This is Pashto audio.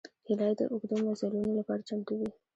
هیلۍ د اوږدو مزلونو لپاره چمتو وي